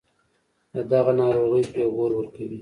دَدغه ناروغۍپېغور ورکوي